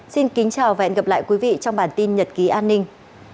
xin kính chào và hẹn gặp lại quý vị trong bản tin nhật ký an ninh